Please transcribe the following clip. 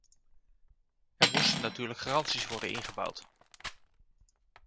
Er moesten natuurlijk garanties worden ingebouwd.